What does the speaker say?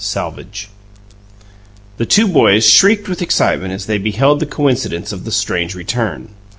SALVAGE The two boys shrieked with excitement as they beheld the coincidence of this strange return.